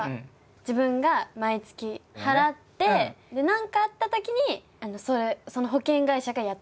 自分が毎月払って何かあった時にその保険会社がやってくれますよ。